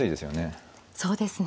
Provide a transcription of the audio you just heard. そうですね。